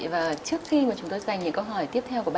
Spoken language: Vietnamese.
và trước khi mà chúng tôi dành những câu hỏi tiếp theo của bà